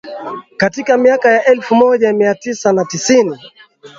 Katika miaka ya elfu moja mia tisa na tisini